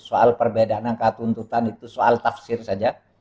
soal perbedaan angkatuntutan itu soal tafsir saja